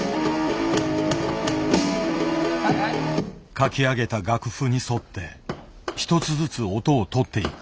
書き上げた楽譜に沿って１つずつ音をとっていく。